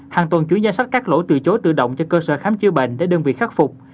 hàng tuần chú danh sách các lỗ từ chối tự động cho cơ sở khám chữa bệnh để đơn vị khắc phục